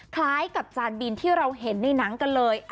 คล้ายกับจานบินที่เราเห็นในหนังกันเลย